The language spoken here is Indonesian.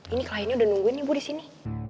ini kliennya udah nungguin ibu disini